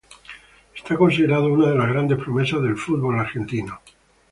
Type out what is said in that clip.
Es considerado una de las grandes promesas del fútbol argentino.